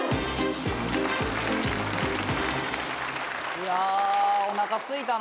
いやおなかすいたな。